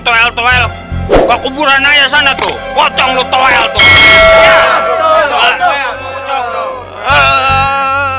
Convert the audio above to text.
toel towel ke kuburan aja sana tuh pocong lo toel tuh